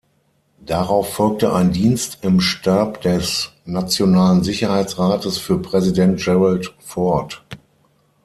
Darauf folgte ein Dienst im Stab des Nationalen Sicherheitsrates für Präsident Gerald Ford.